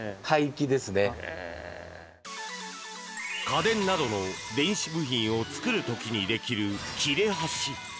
家電などの電子部品を作る時にできる切れ端。